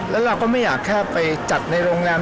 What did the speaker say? แล้วเราก็ไม่อยากแค่ไปจัดในโรงแรม